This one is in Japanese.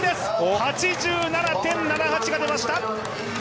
８７．７８が出ました。